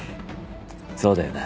そうだよな。